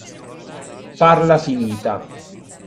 Farla finita.